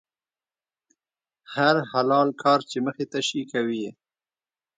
هر حلال کار چې مخې ته شي، کوي یې.